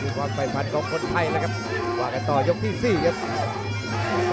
มีความไฟฟันของคนไทยนะครับวางกันต่อยกที่สี่ครับ